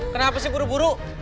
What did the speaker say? kenapa sih buru buru